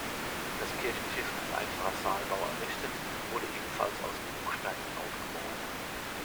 Das Kirchenschiff, als einfacher Saalbau errichtet, wurde ebenfalls aus Bruchsteinen aufgemauert.